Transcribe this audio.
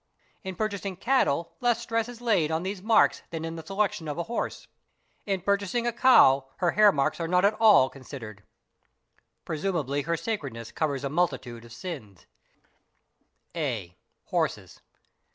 In purchasing cattle less stress is laid on these marks than in the selection of a horse. In purchas ing a cow, her hairmarks are not at all considered'. Presumably her sacredness covers a multitude of sins. eee. 1) aie = deh OSE. Sl, KE BGS (a) Horses.